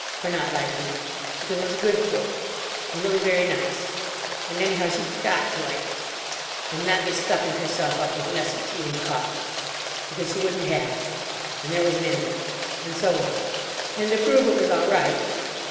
For not liking it. Because it was good for her. And really very nice. And anyhow she'd got to like it. And not get stuffing herself up with messy tea and coffee. Because she wouldn't have it. And there was an end of it. And so on. And to prove it was all right.